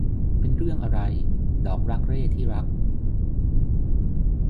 เป็นเรื่องอะไรดอกรักเร่ที่รัก ?